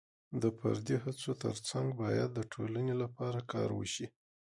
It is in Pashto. د فردي هڅو ترڅنګ باید د ټولنې لپاره کار وشي.